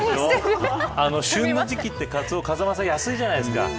旬の時期ってカツオ風間さん、安いじゃないですか。